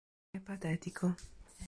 È patetico.